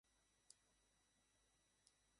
ওটার চার্জ কি নিচ্ছি আপনার কাছ থেকে?